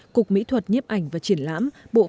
cục mỹ thuật nhiếp ảnh và triển lãm